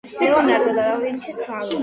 ლეონარდო და ვინჩის მფარველი.